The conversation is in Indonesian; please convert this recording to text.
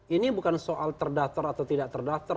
ini bukan soal terdaftar atau tidak terdaftar